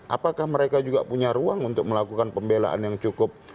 apakah mereka juga punya ruang untuk melakukan pembelaan yang cukup